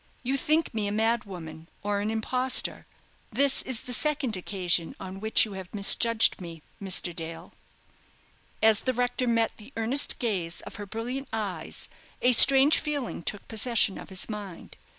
You think me a mad woman, or an impostor. This is the second occasion on which you have misjudged me, Mr. Dale." As the rector met the earnest gaze of her brilliant eyes, a strange feeling took possession of his mind.